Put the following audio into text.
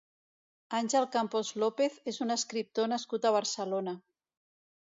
Ángel Campos López és un escriptor nascut a Barcelona.